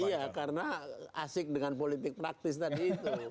iya karena asik dengan politik praktis tadi itu memang